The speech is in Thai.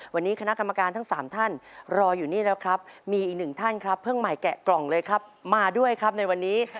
วันนี้คณะกรรมการทั้ง๓ท่านรออยู่นี่แล้วครับมีอีกหนึ่งท่านครับเพิ่งใหม่แกะกล่องเลยครับมาด้วยครับในวันนี้